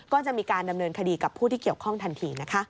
ก็จะมีการดำเนินคดีกับผู้ที่เกี่ยวข้องทันทีนะคะ